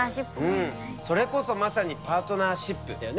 それこそまさにパートナーシップだよね。